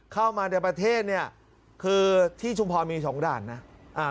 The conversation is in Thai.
เข้ามาในประเทศคือที่ชุมพรมี๒ด่านนะ